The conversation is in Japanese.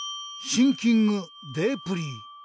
シンキングデープリー。